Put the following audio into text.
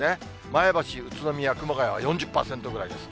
前橋、宇都宮、熊谷は４０％ぐらいです。